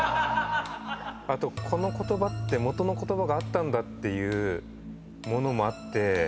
あとこの言葉って元の言葉があったんだっていうものもあって。